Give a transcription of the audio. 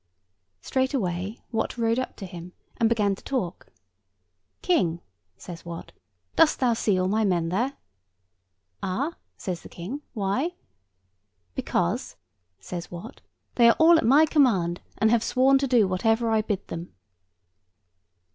Straightway Wat rode up to him, and began to talk. 'King,' says Wat, 'dost thou see all my men there?' 'Ah,' says the King. 'Why?' 'Because,' says Wat, 'they are all at my command, and have sworn to do whatever I bid them.